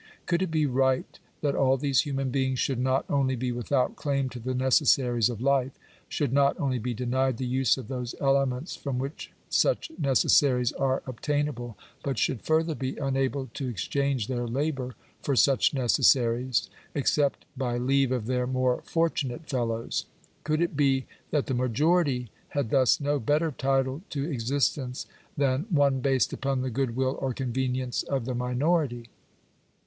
Could it be right that all these human beings should not only be without claim to the necessaries of life — should not only be denied the use of those elements from which such necessaries are obtainable — but should further be unable to exchange their labour for such necessaries, except by leave of their more fortunate fellows ? Could it be that the majority had thus no better title to exist ence than one based upon the good will or convenience of the minority